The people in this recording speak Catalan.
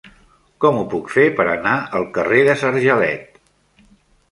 Com ho puc fer per anar al carrer de Sargelet?